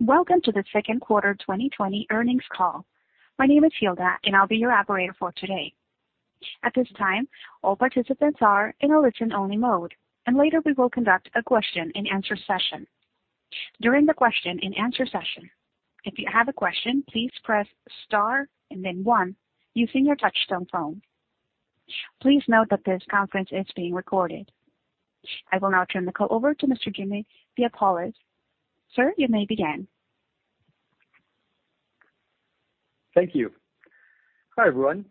Welcome to the second quarter 2020 earnings call. My name is Hilda and I'll be your operator for today. At this time, all participants are in a listen only mode, and later we will conduct a question and answer session. During the question and answer session, if you have a question, please press star and then one using your touchtone phone. Please note that this conference is being recorded. I will now turn the call over to Mr. Jimmy Vaiopoulos. Sir, you may begin. Thank you. Hi, everyone.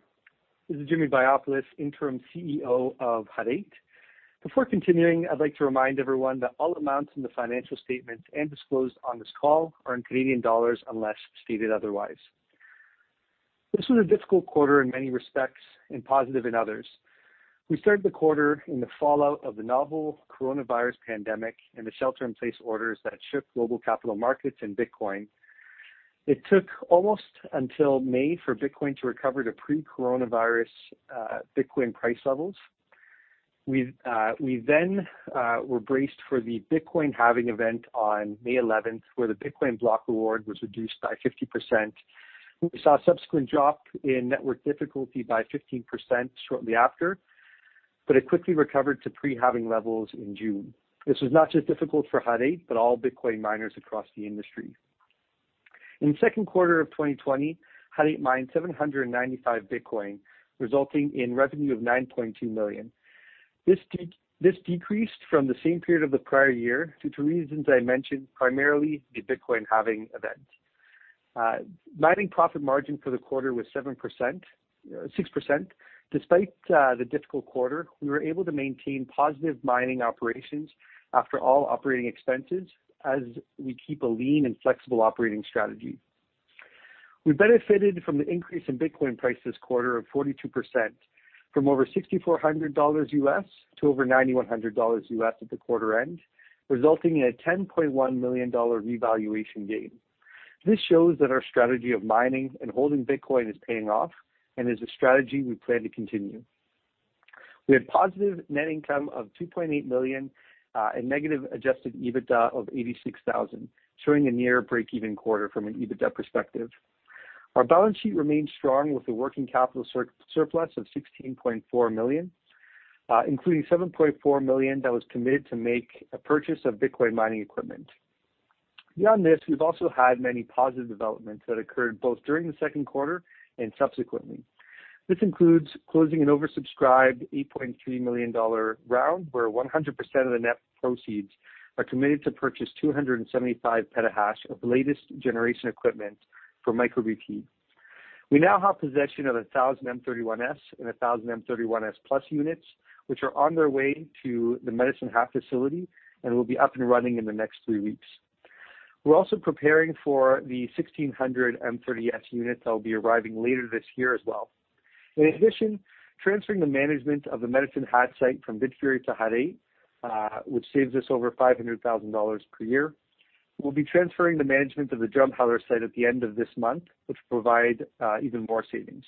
This is Jimmy Vaiopoulos, Interim CEO of Hut 8. Before continuing, I'd like to remind everyone that all amounts in the financial statements and disclosed on this call are in Canadian dollars unless stated otherwise. This was a difficult quarter in many respects and positive in others. We started the quarter in the fallout of the novel coronavirus pandemic and the shelter in place orders that shook global capital markets and Bitcoin. It took almost until May for Bitcoin to recover to pre-coronavirus Bitcoin price levels. We then were braced for the Bitcoin halving event on May 11th, where the Bitcoin block reward was reduced by 50%. We saw a subsequent drop in network difficulty by 15% shortly after, but it quickly recovered to pre-halving levels in June. This was not just difficult for Hut 8, but all Bitcoin miners across the industry. In the second quarter of 2020, Hut 8 mined 795 Bitcoin, resulting in revenue of 9.2 million. This decreased from the same period of the prior year due to reasons I mentioned, primarily the Bitcoin halving event. Mining profit margin for the quarter was 6%. Despite the difficult quarter, we were able to maintain positive mining operations after all operating expenses as we keep a lean and flexible operating strategy. We benefited from the increase in Bitcoin price this quarter of 42%, from over $6,400 to over $9,100 at the quarter end, resulting in a 10.1 million dollar revaluation gain. This shows that our strategy of mining and holding Bitcoin is paying off and is a strategy we plan to continue. We had positive net income of 2.8 million, and negative adjusted EBITDA of 86,000, showing a near breakeven quarter from an EBITDA perspective. Our balance sheet remains strong with a working capital surplus of 16.4 million, including 7.4 million that was committed to make a purchase of Bitcoin mining equipment. Beyond this, we've also had many positive developments that occurred both during the second quarter and subsequently. This includes closing an oversubscribed 8.3 million dollar round where 100% of the net proceeds are committed to purchase 275 petahash of the latest generation equipment from MicroBT. We now have possession of 1,000 M31S and 1,000 M31S+ units, which are on their way to the Medicine Hat facility and will be up and running in the next three weeks. We're also preparing for the 1,600 M30S units that will be arriving later this year as well. In addition, transferring the management of the Medicine Hat site from Bitfury to Hut 8, which saves us over 500,000 dollars per year. We'll be transferring the management of the Drumheller site at the end of this month, which will provide even more savings.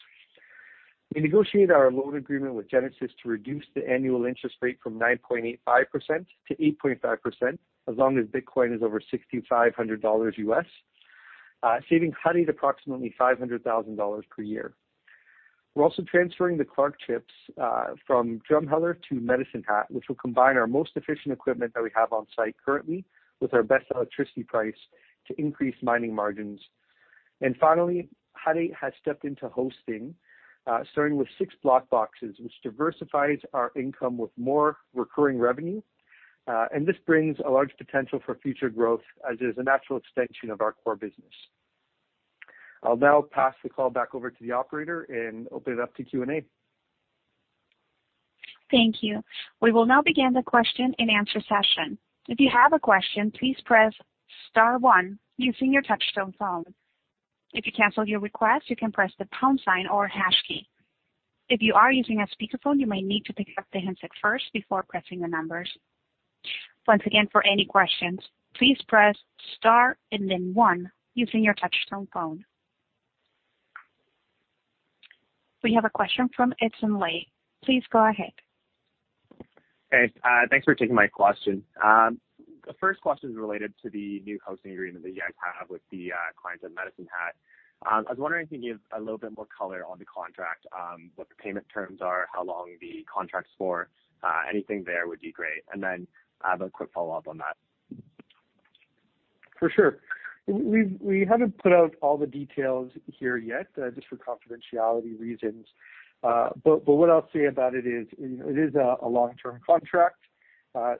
We negotiated our loan agreement with Genesis to reduce the annual interest rate from 9.85% to 8.5% as long as Bitcoin is over $6,500, saving Hut 8 approximately 500,000 dollars per year. We're also transferring the Clarke chips from Drumheller to Medicine Hat, which will combine our most efficient equipment that we have on site currently with our best electricity price to increase mining margins. Finally, Hut 8 has stepped into hosting, starting with six BlockBoxes, which diversifies our income with more recurring revenue. This brings a large potential for future growth as it is a natural extension of our core business. I'll now pass the call back over to the operator and open it up to Q&A. Thank you. We will now begin the question and answer session. If you have a question, please press star one using your touchtone phone. If you cancel your request, you can press the pound sign or hash key. If you are using a speakerphone, you may need to pick up the handset first before pressing the numbers. Once again, for any questions, please press star and then one using your touchtone phone. We have a question from Edson Lai. Please go ahead. Hey, thanks for taking my question. The first question is related to the new hosting agreement that you guys have with the client at Medicine Hat. I was wondering if you could give a little bit more color on the contract, what the payment terms are, how long the contract's for. Anything there would be great. I have a quick follow-up on that. For sure. We haven't put out all the details here yet, just for confidentiality reasons. What I'll say about it is, it is a long-term contract.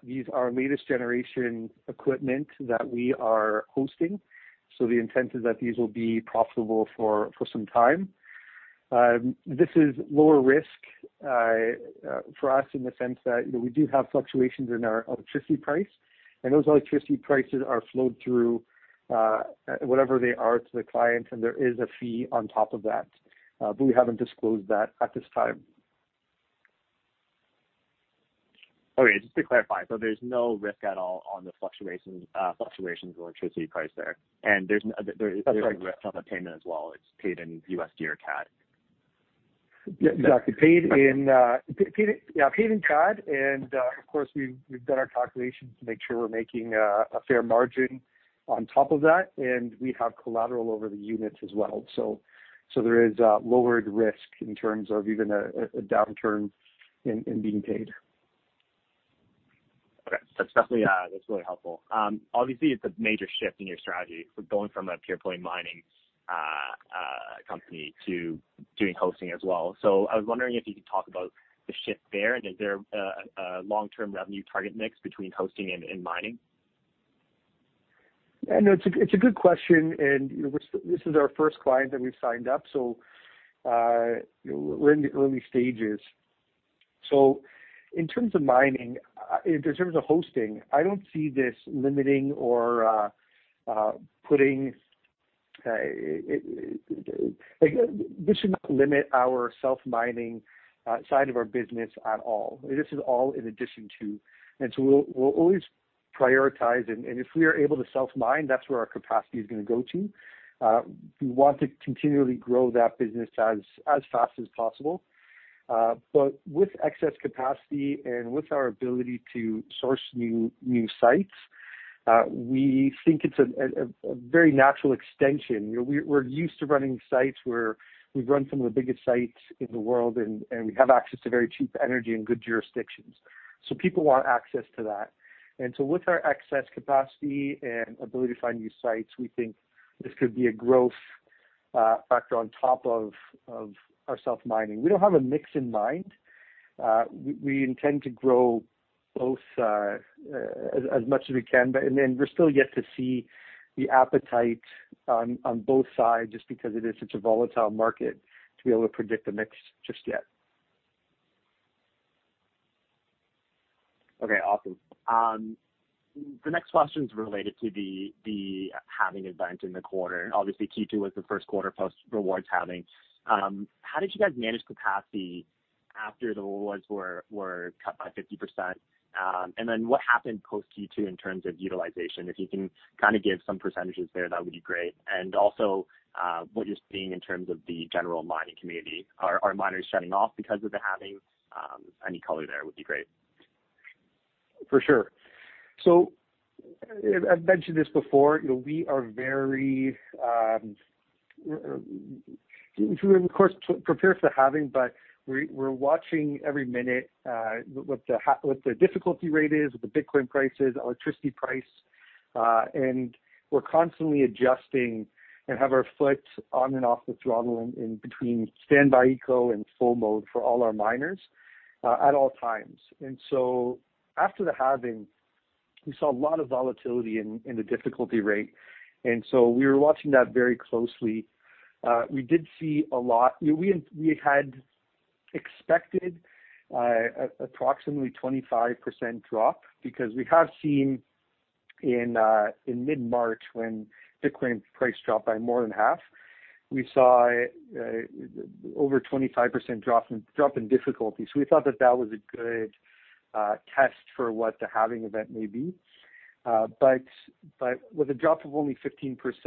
These are latest generation equipment that we are hosting, so the intent is that these will be profitable for some time. This is lower risk for us in the sense that we do have fluctuations in our electricity price, and those electricity prices are flowed through whatever they are to the client, and there is a fee on top of that. We haven't disclosed that at this time. Okay, just to clarify, there's no risk at all on the fluctuations of electricity price there. That's right. No risk on the payment as well. It's paid in U.S. dollar or CAD? Yes, exactly. Paid in CAD. Of course, we've done our calculations to make sure we're making a fair margin on top of that. We have collateral over the units as well. There is a lowered risk in terms of even a downturn in being paid. Okay. That's definitely helpful. Obviously, it's a major shift in your strategy for going from a pure play mining company to doing hosting as well. I was wondering if you could talk about the shift there, and is there a long-term revenue target mix between hosting and mining? It's a good question, and this is our first client that we've signed up, so we're in the early stages. In terms of hosting, this should not limit our self-mining side of our business at all. This is all in addition to. We'll always prioritize, and if we are able to self-mine, that's where our capacity is going to go to. We want to continually grow that business as fast as possible. With excess capacity and with our ability to source new sites, we think it's a very natural extension. We're used to running sites where we've run some of the biggest sites in the world, and we have access to very cheap energy and good jurisdictions. People want access to that. With our excess capacity and ability to find new sites, we think this could be a growth factor on top of our self-mining. We don't have a mix in mind. We intend to grow both as much as we can. We're still yet to see the appetite on both sides, just because it is such a volatile market to be able to predict the mix just yet. Okay, awesome. The next question is related to the halving event in the quarter. Obviously, Q2 was the first quarter post rewards halving. How did you guys manage capacity after the rewards were cut by 50%? What happened post Q2 in terms of utilization? If you can give some percentages there, that would be great. What you're seeing in terms of the general mining community. Are miners shutting off because of the halving? Any color there would be great. For sure. I've mentioned this before, we are very, of course, prepared for the halving, but we're watching every minute what the difficulty rate is, what the Bitcoin price is, electricity price, and we're constantly adjusting and have our foot on and off the throttle in between standby eco and full mode for all our miners at all times. After the halving, we saw a lot of volatility in the difficulty rate. We were watching that very closely. We had expected approximately 25% drop because we have seen in mid-March when Bitcoin price dropped by more than half. We saw over 25% drop in difficulty. We thought that that was a good test for what the halving event may be. With a drop of only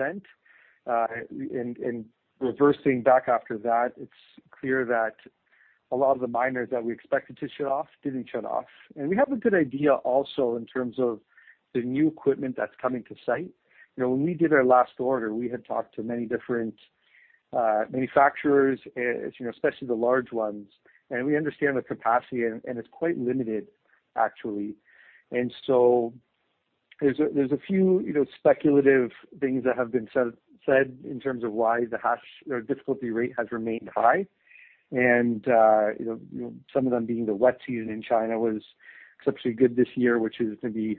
15%, and reversing back after that, it's clear that a lot of the miners that we expected to shut off didn't shut off. We have a good idea also in terms of the new equipment that's coming to site. When we did our last order, we had talked to many different manufacturers, especially the large ones, and we understand the capacity, and it's quite limited, actually. There's a few speculative things that have been said in terms of why the difficulty rate has remained high, and some of them being the wet season in China was exceptionally good this year, which is going to be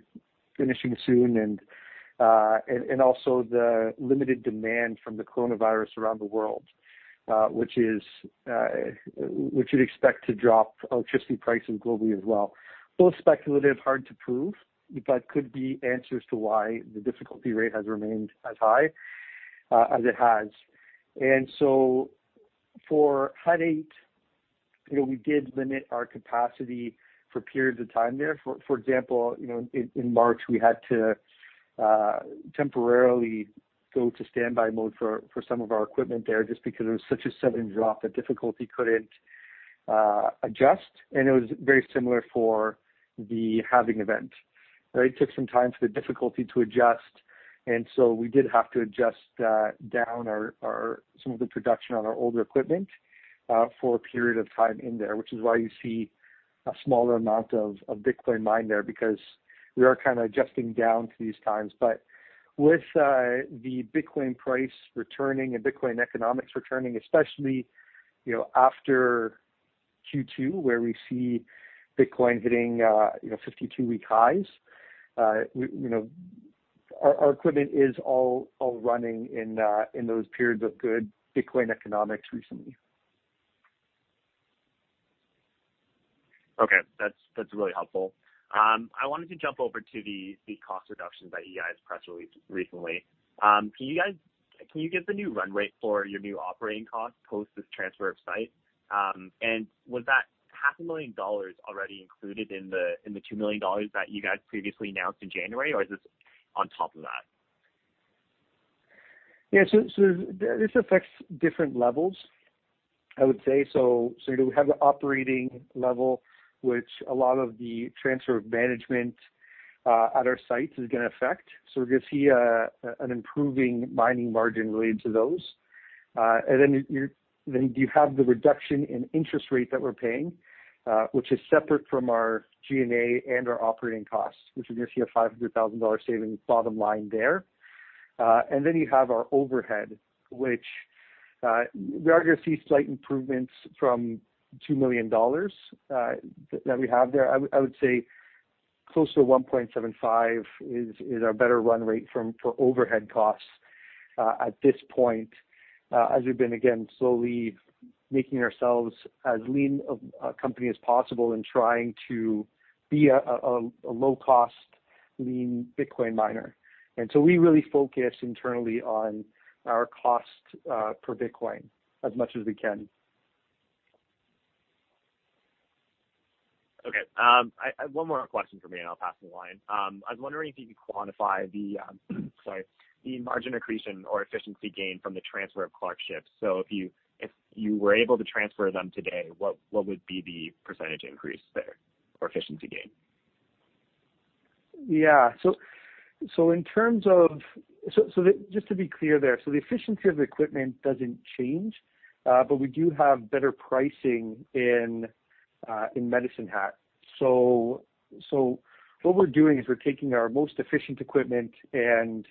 finishing soon, and also the limited demand from the coronavirus around the world, which you'd expect to drop electricity pricing globally as well. Both speculative, hard to prove, but could be answers to why the difficulty rate has remained as high as it has. For Hut 8, we did limit our capacity for periods of time there. For example, in March, we had to temporarily go to standby mode for some of our equipment there just because it was such a sudden drop that difficulty couldn't adjust, and it was very similar for the Halving event. It took some time for the difficulty to adjust, we did have to adjust down some of the production on our older equipment for a period of time in there, which is why you see a smaller amount of Bitcoin mined there because we are adjusting down to these times. With the Bitcoin price returning and Bitcoin economics returning, especially after Q2 where we see Bitcoin hitting 52-week highs, our equipment is all running in those periods of good Bitcoin economics recently. Okay. That's really helpful. I wanted to jump over to the cost reductions that Hut 8 has press released recently. Can you give the new run rate for your new operating cost post this transfer of site? Was that half a million CAD already included in the 2 million dollars that you guys previously announced in January, or is this on top of that? Yeah. This affects different levels, I would say. We have the operating level, which a lot of the transfer of management at our sites is going to affect. We're going to see an improving mining margin related to those. You have the reduction in interest rate that we're paying which is separate from our G&A and our operating costs, which you're going to see a 500,000 dollar saving bottom line there. You have our overhead, which we are going to see slight improvements from 2 million dollars that we have there. I would say close to 1.75 million is a better run rate for overhead costs at this point as we've been, again, slowly making ourselves as lean a company as possible and trying to be a low-cost, lean Bitcoin miner. We really focus internally on our cost per Bitcoin as much as we can. Okay. One more question from me, and I'll pass the line. I was wondering if you could quantify the margin accretion or efficiency gain from the transfer of Clarke chips. If you were able to transfer them today, what would be the percentage increase there or efficiency gain? Yeah. Just to be clear there, the efficiency of equipment doesn't change, but we do have better pricing in Medicine Hat. What we're doing is we're taking our most efficient equipment and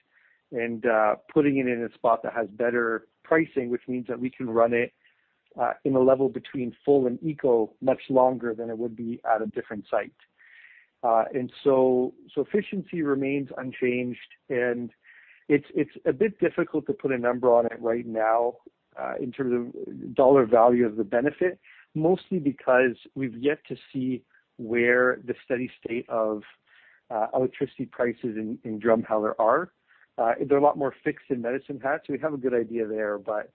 putting it in a spot that has better pricing, which means that we can run it in a level between full and eco much longer than it would be at a different site. Efficiency remains unchanged, and it's a bit difficult to put a number on it right now in terms of dollar value of the benefit, mostly because we've yet to see where the steady state of electricity prices in Drumheller are. They're a lot more fixed in Medicine Hat, so we have a good idea there, but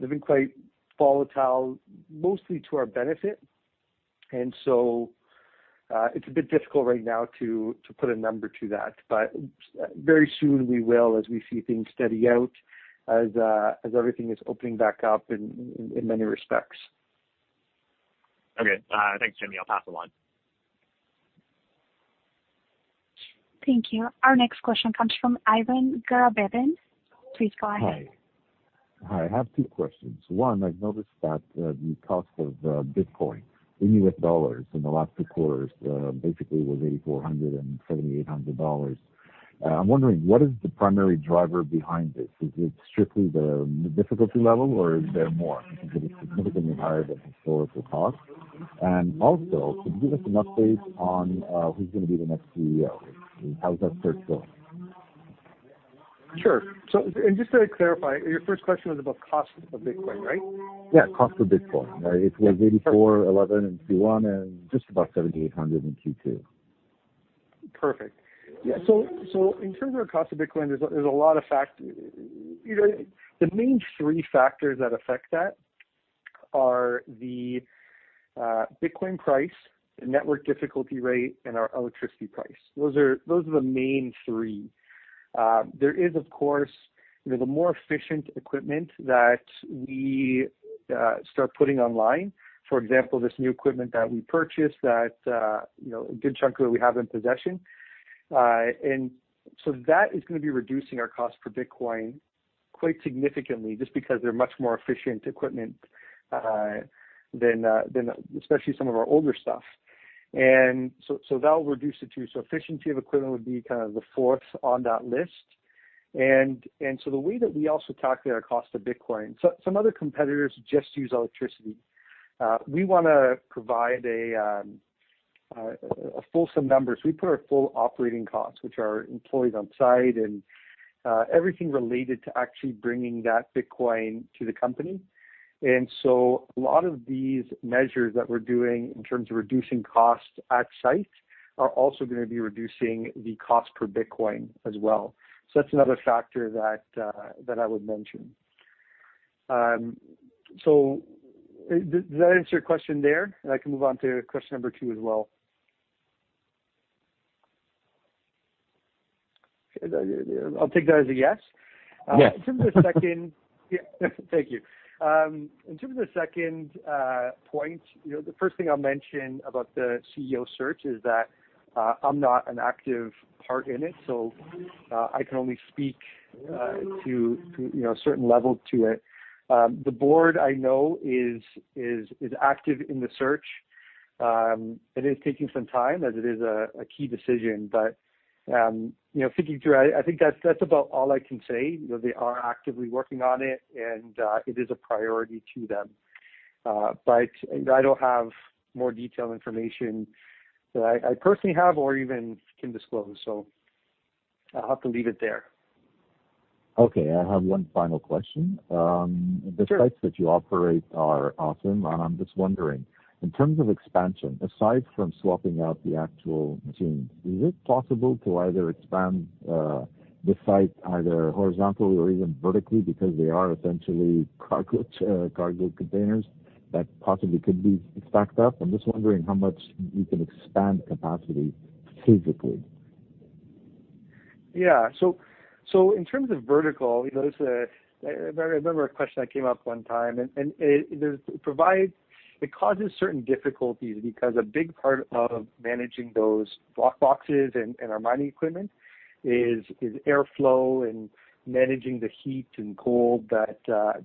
they've been quite volatile, mostly to our benefit. It's a bit difficult right now to put a number to that. Very soon we will, as we see things steady out, as everything is opening back up in many respects. Okay. Thanks, Jimmy. I will pass the line. Thank you. Our next question comes from Ivan Garabedian. Please go ahead. Hi. I have two questions. One, I've noticed that the cost of Bitcoin in U.S. dollars in the last two quarters basically was $8,400 and $7,800. I'm wondering, what is the primary driver behind this? Is it strictly the difficulty level, or is there more? Because it is significantly higher than historical costs. Also, could you give us an update on who's going to be the next CEO? How's that search going? Sure. Just to clarify, your first question was about cost of Bitcoin, right? Yeah, cost of Bitcoin. It was $8,411 in Q1 and just about $7,800 in Q2. Perfect. In terms of cost of Bitcoin, there's a lot of factors. The main three factors that affect that are the Bitcoin price, the network difficulty, and our electricity price. Those are the main three. There is, of course, the more efficient equipment that we start putting online. For example, this new equipment that we purchased that a good chunk of it we have in possession. That is going to be reducing our cost per Bitcoin quite significantly just because they're much more efficient equipment than especially some of our older stuff. That will reduce it, too. Efficiency of equipment would be the fourth on that list. The way that we also calculate our cost of Bitcoin, some other competitors just use electricity. We want to provide a full sum numbers. We put our full operating costs, which are employees on site and everything related to actually bringing that Bitcoin to the company. A lot of these measures that we're doing in terms of reducing costs at site are also going to be reducing the cost per Bitcoin as well. That's another factor that I would mention. Does that answer your question there? I can move on to question number two as well. I'll take that as a yes. Yeah. Thank you. In terms of the second point, the first thing I'll mention about the CEO search is that I'm not an active part in it, so I can only speak to a certain level to it. The board, I know, is active in the search. It is taking some time as it is a key decision. Thinking through, I think that's about all I can say, that they are actively working on it, and it is a priority to them. I don't have more detailed information that I personally have or even can disclose. I'll have to leave it there. Okay. I have one final question. Sure. The sites that you operate are awesome. I'm just wondering, in terms of expansion, aside from swapping out the actual machine, is it possible to either expand the site either horizontally or even vertically because they are essentially cargo containers that possibly could be stacked up? I'm just wondering how much you can expand capacity physically. In terms of vertical, I remember a question that came up one time, and it causes certain difficulties because a big part of managing those BlockBoxes and our mining equipment is airflow and managing the heat and cold that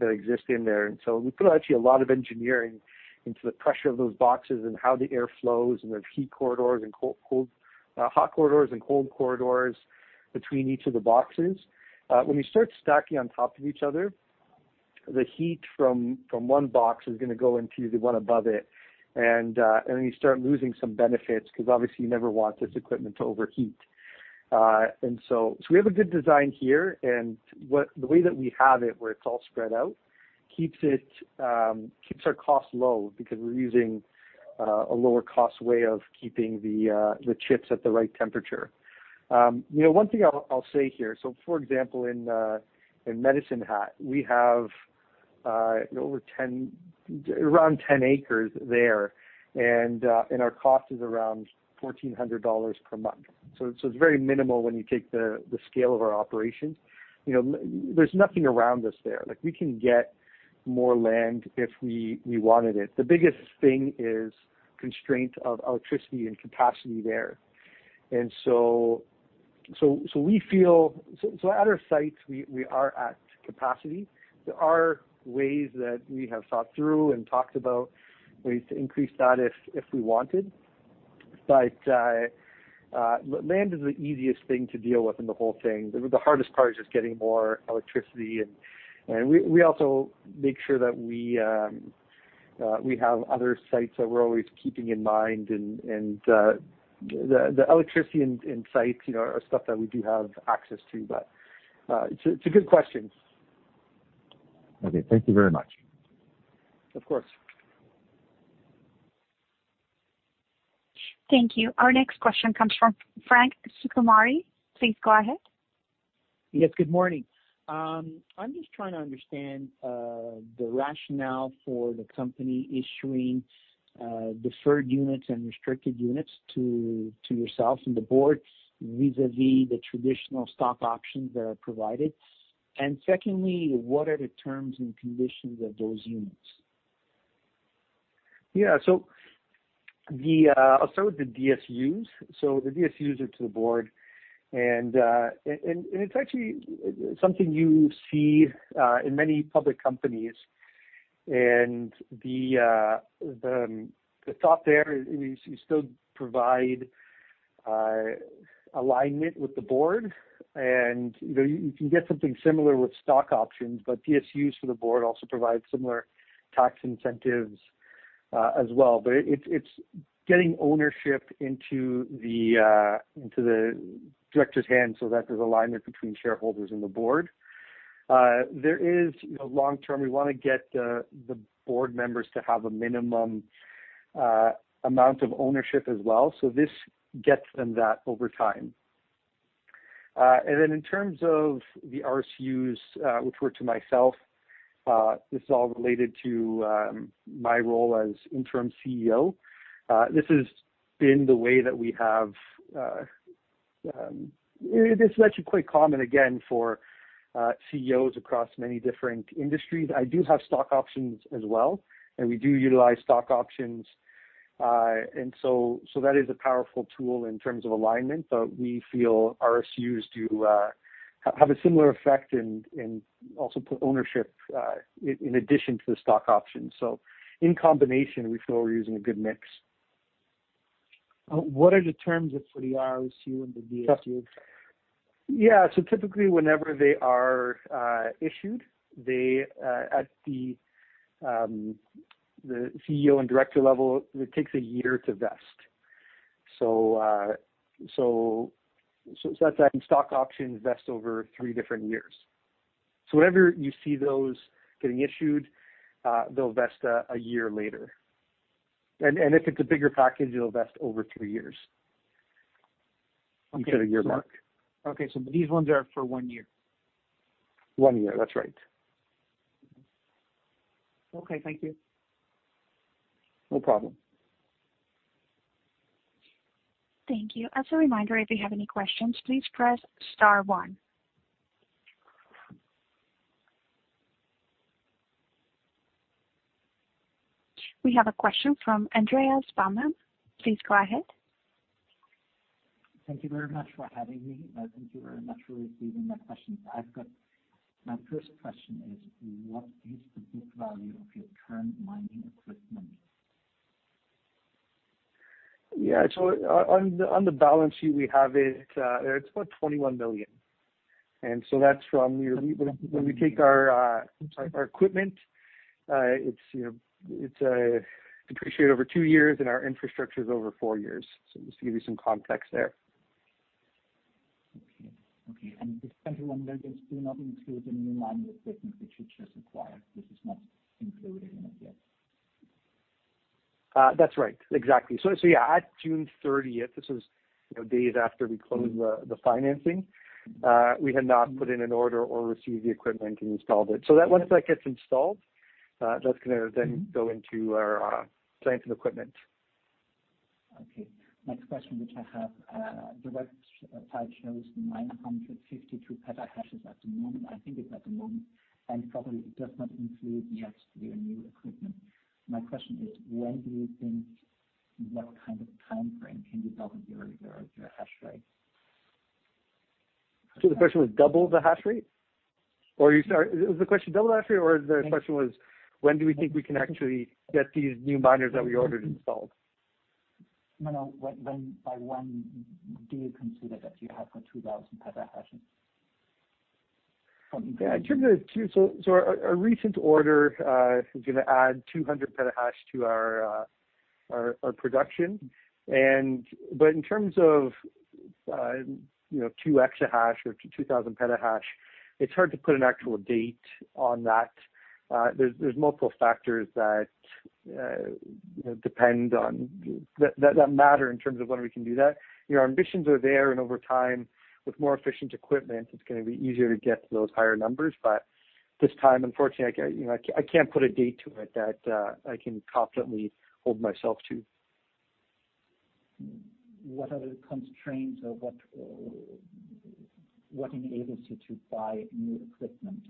exist in there. We put actually a lot of engineering into the pressure of those boxes and how the air flows and the heat corridors and cold corridors, hot corridors and cold corridors between each of the boxes. When you start stacking on top of each other, the heat from one box is going to go into the one above it. You start losing some benefits because obviously you never want this equipment to overheat. We have a good design here, and the way that we have it, where it's all spread out, keeps our costs low because we're using a lower cost way of keeping the chips at the right temperature. One thing I'll say here, for example, in Medicine Hat, we have around 10 acres there, and our cost is around 1,400 dollars per month. It's very minimal when you take the scale of our operations. There's nothing around us there. We can get more land if we wanted it. The biggest thing is constraint of electricity and capacity there. At our sites, we are at capacity. There are ways that we have thought through and talked about ways to increase that if we wanted. Land is the easiest thing to deal with in the whole thing. The hardest part is just getting more electricity, and we also make sure that we have other sites that we're always keeping in mind, and the electricity and sites are stuff that we do have access to. It's a good question. Okay. Thank you very much. Of course. Thank you. Our next question comes from Frank Schiraldi. Please go ahead. Yes, good morning. I'm just trying to understand the rationale for the company issuing deferred units and restricted units to yourselves and the boards vis-a-vis the traditional stock options that are provided. Secondly, what are the terms and conditions of those units? Yeah. I'll start with the DSUs. The DSUs are to the board, and it's actually something you see in many public companies. The thought there is you still provide alignment with the board, and you can get something similar with stock options, but DSUs for the board also provide similar tax incentives as well. It's getting ownership into the director's hand so that there's alignment between shareholders and the board. There is long-term, we want to get the board members to have a minimum amount of ownership as well. This gets them that over time. In terms of the RSUs, which were to myself, this is all related to my role as interim CEO. This has been the way that this is actually quite common, again, for CEOs across many different industries. I do have stock options as well, and we do utilize stock options. That is a powerful tool in terms of alignment, but we feel RSUs do have a similar effect and also put ownership in addition to the stock options. In combination, we feel we're using a good mix. What are the terms for the RSU and the DSU? Yeah. Typically, whenever they are issued at the CEO and director level, it takes a year to vest. It's like stock options vest over three different years. Whenever you see those getting issued, they'll vest a year later. If it's a bigger package, it'll vest over three years instead of year mark. Okay, these ones are for one year. One year. That's right. Okay. Thank you. No problem. Thank you. As a reminder, if you have any questions, please press star one. We have a question from Andreas Baumann. Please go ahead. Thank you very much for having me. Thank you very much for receiving my questions. My first question is, what is the book value of your current mining equipment? Yeah. On the balance sheet, we have it's about 21 million. Sorry. Our equipment, it's depreciated over two years, and our infrastructure is over four years. Just to give you some context there. Okay. The 21 million does not include the new mining equipment which you just acquired. This is not included in it yet. That's right, exactly. At June 30th, this is days after we closed the financing, we had not put in an order or received the equipment and installed it. Once that gets installed, that's going to then go into our plants and equipment. Okay. Next question which I have, the website shows 952 petahashes at the moment. I think it's at the moment, and probably it does not include yet your new equipment. My question is, when do you think, what kind of timeframe can you double your hash rate? The question was double the hash rate? Is the question double the hash rate, or the question was when do we think we can actually get these new miners that we ordered installed? No, by when do you consider that you have the 2,000 petahashes? Yeah. Our recent order is going to add 200 petahash to our production. In terms of two exahash or 2,000 petahash, it's hard to put an actual date on that. There's multiple factors that matter in terms of when we can do that. Our ambitions are there, and over time, with more efficient equipment, it's going to be easier to get to those higher numbers. This time, unfortunately, I can't put a date to it that I can confidently hold myself to. What are the constraints or what enables you to buy new equipment?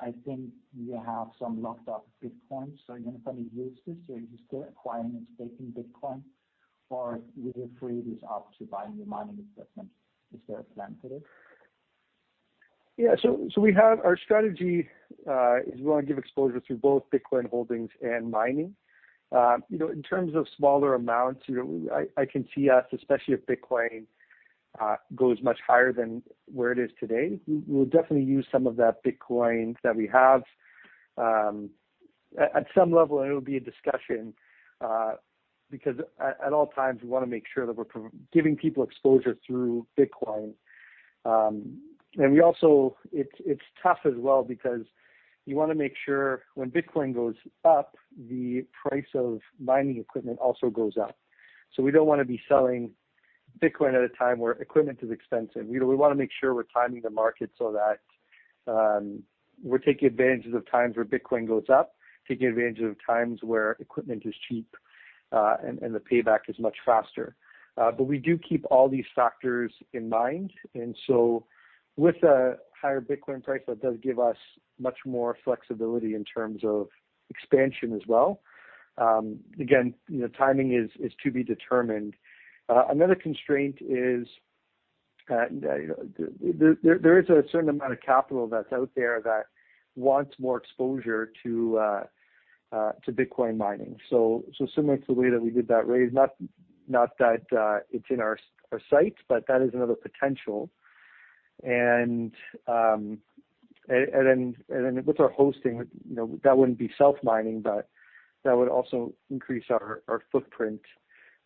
I think you have some locked-up Bitcoin, so are you going to probably use this, or are you still acquiring and staking Bitcoin? Will you free this up to buy new mining equipment? Is there a plan for this? Yeah. Our strategy is we want to give exposure through both Bitcoin holdings and mining. In terms of smaller amounts, I can see us, especially if Bitcoin goes much higher than where it is today, we'll definitely use some of that Bitcoin that we have. At some level, it'll be a discussion because at all times, we want to make sure that we're giving people exposure through Bitcoin. It's tough as well because you want to make sure when Bitcoin goes up, the price of mining equipment also goes up. We don't want to be selling Bitcoin at a time where equipment is expensive. We want to make sure we're timing the market so that we're taking advantage of times where Bitcoin goes up, taking advantage of times where equipment is cheap, and the payback is much faster. We do keep all these factors in mind. With a higher Bitcoin price, that does give us much more flexibility in terms of expansion as well. Again, timing is to be determined. Another constraint is there is a certain amount of capital that's out there that wants more exposure to Bitcoin mining. Similar to the way that we did that raise, not that it's in our sights, but that is another potential. Then with our hosting, that wouldn't be self-mining, but that would also increase our footprint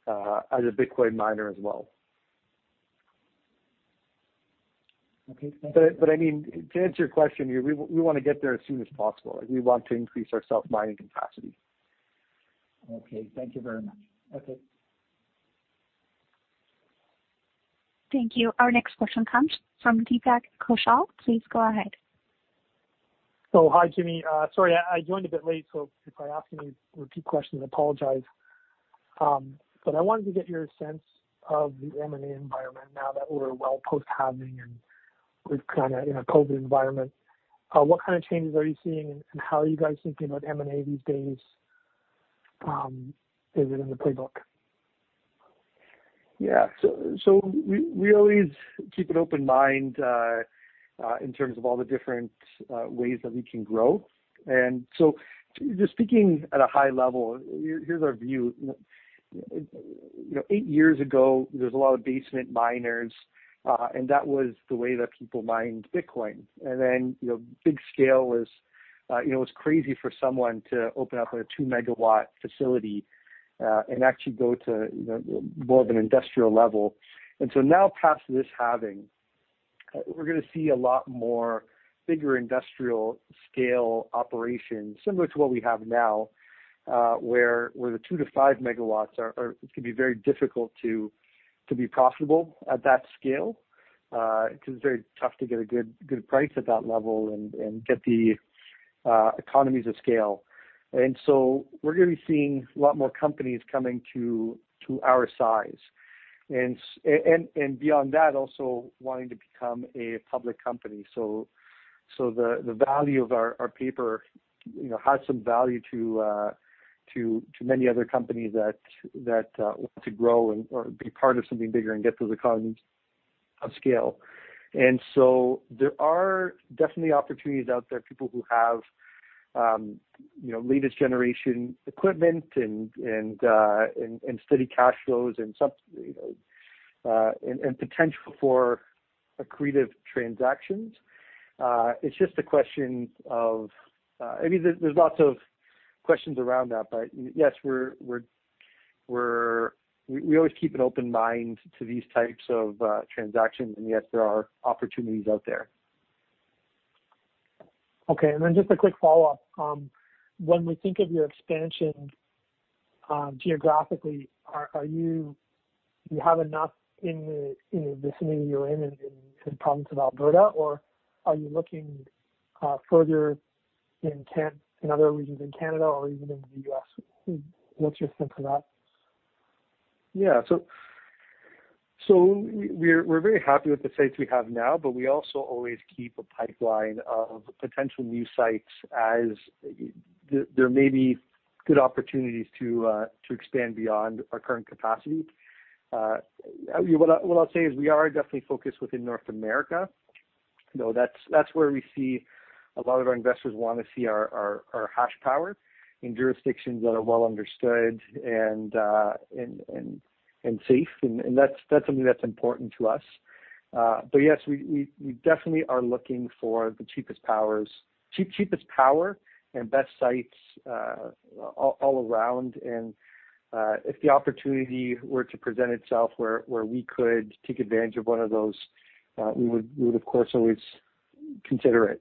as a Bitcoin miner as well. Okay. Thank you. To answer your question, we want to get there as soon as possible. We want to increase our self-mining capacity. Okay. Thank you very much. Okay. Thank you. Our next question comes from Deepak Kaushal. Please go ahead. Hi, Jimmy. Sorry, I joined a bit late. If I ask any repeat questions, I apologize. I wanted to get your sense of the M&A environment now that we're well post-halving and we're kind of in a COVID environment. What kind of changes are you seeing? How are you guys thinking about M&A these days? Is it in the playbook? Yeah. We always keep an open mind in terms of all the different ways that we can grow. Just speaking at a high level, here's our view. Eight years ago, there was a lot of basement miners, and that was the way that people mined Bitcoin. Big scale was crazy for someone to open up a 2 MW facility and actually go to more of an industrial level. Now past this halving, we're going to see a lot more bigger industrial scale operations similar to what we have now, where the 2 MW-5 MW it can be very difficult to be profitable at that scale, because it's very tough to get a good price at that level and get the economies of scale. We're going to be seeing a lot more companies coming to our size, and beyond that, also wanting to become a public company. The value of our paper has some value to many other companies that want to grow or be part of something bigger and get to the economies of scale. There are definitely opportunities out there, people who have latest generation equipment and steady cash flows and potential for accretive transactions. It's just a question of I mean, there's lots of questions around that. Yes, we always keep an open mind to these types of transactions, and yes, there are opportunities out there. Okay, just a quick follow-up. When we think of your expansion geographically, do you have enough in the vicinity you're in the province of Alberta, or are you looking further in other regions in Canada or even in the U.S.? What's your sense of that? Yeah. We're very happy with the sites we have now, but we also always keep a pipeline of potential new sites as there may be good opportunities to expand beyond our current capacity. What I'll say is we are definitely focused within North America, though that's where we see a lot of our investors want to see our hash power in jurisdictions that are well understood and safe, and that's something that's important to us. Yes, we definitely are looking for the cheapest power and best sites all around. If the opportunity were to present itself where we could take advantage of one of those, we would, of course, always consider it.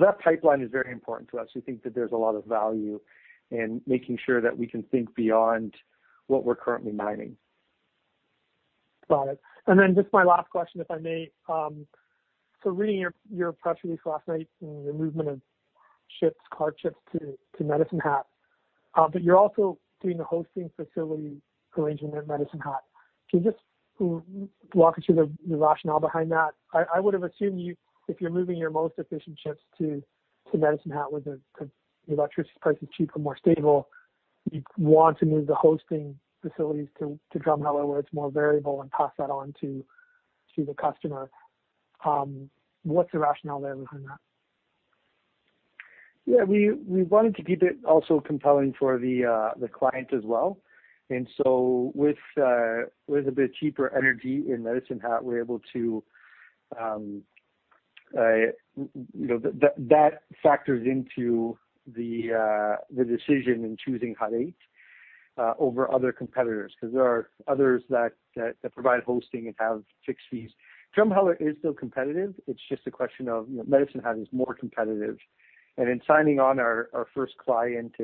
That pipeline is very important to us. We think that there's a lot of value in making sure that we can think beyond what we're currently mining. Got it. Just my last question, if I may. Reading your press release last night and your movement of Clarke chips to Medicine Hat, but you're also doing a hosting facility arrangement at Medicine Hat. I would've assumed if you're moving your most efficient chips to Medicine Hat where the electricity price is cheaper, more stable, you'd want to move the hosting facilities to Drumheller, where it's more variable, and pass that on to the customer. What's the rationale there behind that? Yeah, we wanted to keep it also compelling for the client as well. With a bit cheaper energy in Medicine Hat, that factors into the decision in choosing Hut 8 over other competitors, because there are others that provide hosting and have fixed fees. Drumheller is still competitive. It's just a question of Medicine Hat is more competitive. In signing on our first client,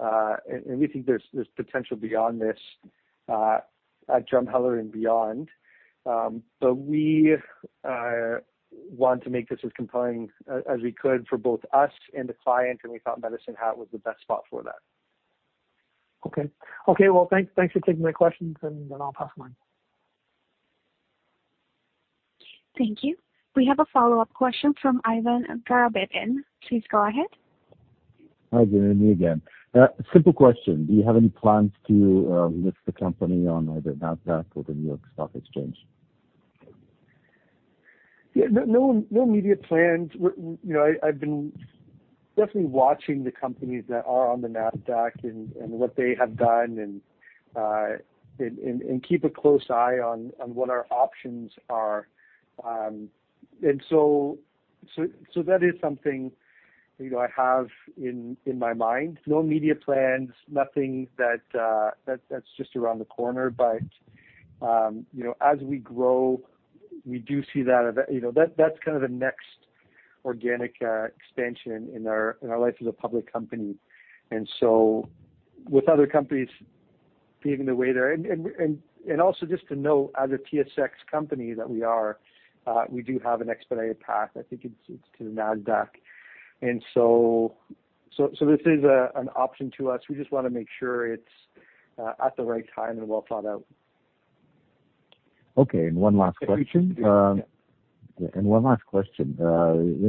and we think there's potential beyond this at Drumheller and beyond. We want to make this as compelling as we could for both us and the client, and we thought Medicine Hat was the best spot for that. Okay. Well, thanks for taking my questions, and then I'll pass them on. Thank you. We have a follow-up question from Ivan Garabedian. Please go ahead. Hi there. Me again. Simple question. Do you have any plans to list the company on either NASDAQ or the New York Stock Exchange? Yeah, no immediate plans. I've been definitely watching the companies that are on the NASDAQ and what they have done and keep a close eye on what our options are. That is something that I have in my mind. No immediate plans, nothing that's just around the corner. As we grow, we do see that. That's kind of the next organic expansion in our life as a public company. With other companies paving the way there, also just to note, as a TSX company that we are, we do have an expedited path. I think it's to the NASDAQ. This is an option to us. We just want to make sure it's at the right time and well thought out. Okay, one last question. Yeah. One last question.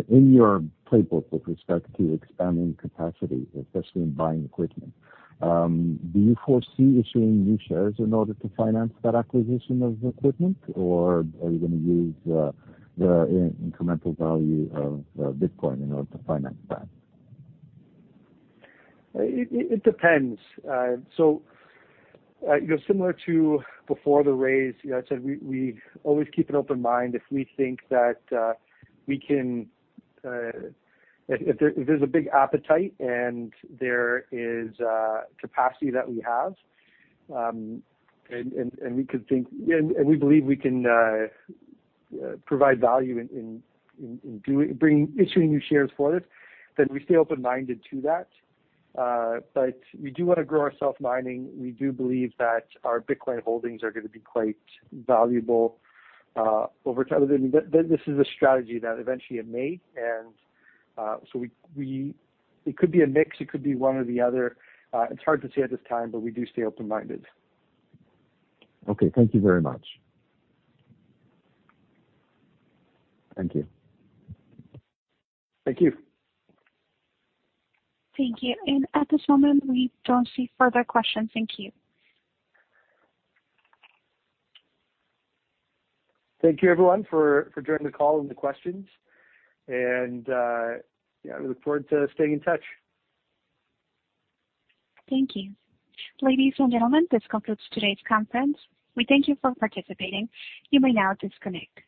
In your playbook with respect to expanding capacity, especially in buying equipment, do you foresee issuing new shares in order to finance that acquisition of equipment, or are you going to use the incremental value of Bitcoin in order to finance that? It depends. Similar to before the raise, I'd say we always keep an open mind if we think that if there's a big appetite and there is capacity that we have, and we believe we can provide value in issuing new shares for this, then we stay open-minded to that. We do want to grow our self-mining. We do believe that our Bitcoin holdings are going to be quite valuable over time. This is a strategy that eventually it may. It could be a mix, it could be one or the other. It's hard to say at this time, but we do stay open-minded. Okay. Thank you very much. Thank you. Thank you. Thank you. At this moment, we don't see further questions. Thank you. Thank you everyone for joining the call and the questions. Yeah, we look forward to staying in touch. Thank you. Ladies and gentlemen, this concludes today's conference. We thank you for participating. You may now disconnect.